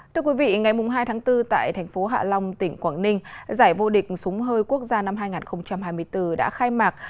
thưa quý vị ngày hai tháng bốn tại thành phố hạ long tỉnh quảng ninh giải vô địch súng hơi quốc gia năm hai nghìn hai mươi bốn đã khai mạc